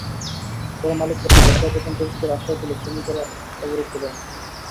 পরে মালিকপক্ষ বকেয়া বেতন পরিশোধের আশ্বাস দিলে শ্রমিকেরা অবরোধ তুলে নেন।